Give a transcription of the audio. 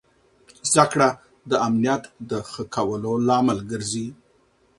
زده کړه د امنیت د ښه کولو لامل ګرځي.